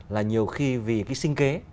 là nhiều khi vì cái sinh kế